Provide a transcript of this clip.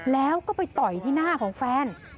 แล้วก็ไปต่อยที่หน้าของแฟน